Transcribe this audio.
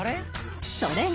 それが